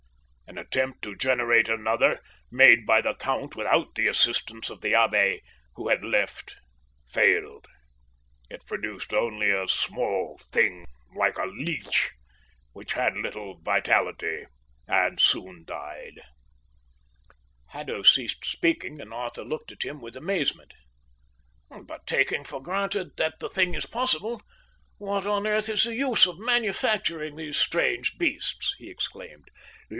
An attempt to generate another, made by the Count without the assistance of the Abbé, who had left, failed; it produced only a small thing like a leech, which had little vitality and soon died." Haddo ceased speaking, and Arthur looked at him with amazement. "But taking for granted that the thing is possible, what on earth is the use of manufacturing these strange beasts?" he exclaimed.